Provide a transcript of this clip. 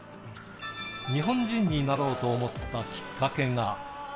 日本人になろうと思ったきっかけが。